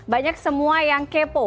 banyak semua yang kepo